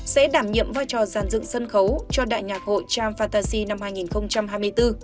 sẽ đảm nhiệm vai trò giàn dựng sân khấu cho đại nhạc hội chal fatasy năm hai nghìn hai mươi bốn